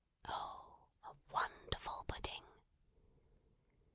Oh, a wonderful pudding!